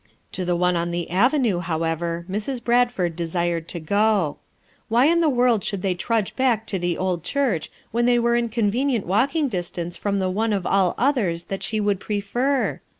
To the one on the avenue, however, Mrs. Bradford desired to go. Why in the world should they trudge back to the old church when they were in convenient walking distance from the one of all others that she would prefer?